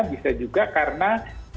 bisa juga karena